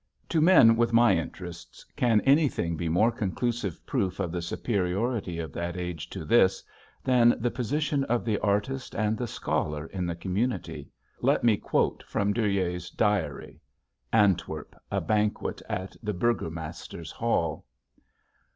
To men with my interests can anything be more conclusive proof of the superiority of that age to this than the position of the artist and the scholar in the community? Let me quote from Dürer's diary. (Antwerp, a banquet at the burgomaster's hall.)